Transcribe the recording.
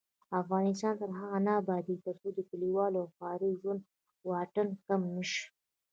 افغانستان تر هغو نه ابادیږي، ترڅو د کلیوالي او ښاري ژوند واټن کم نشي.